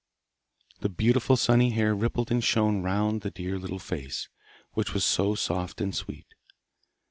The beautiful sunny hair rippled and shone round the dear little face, which was so soft and sweet.